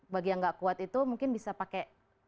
bagi yang nggak kuat itu mungkin bisa pakai